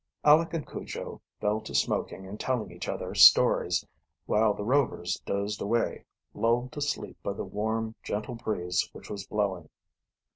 Aleck and Cujo fell to smoking and telling each other stories, while the Rovers dozed away, lulled to sleep by the warm, gentle breeze which was blowing.